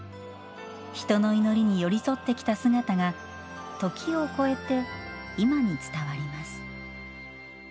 人の祈りに寄り添ってきた姿が時を越えて今に伝わります。